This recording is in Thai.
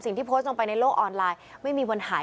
ที่โพสต์ลงไปในโลกออนไลน์ไม่มีวันหาย